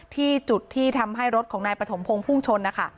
ที่จุดที่ทำให้รถของนายปฐมพงศ์พุ่งชนนะคะ